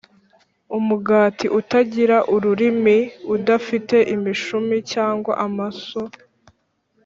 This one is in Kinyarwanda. umugati utagira ururimi udafite imishumi cyangwa amaso,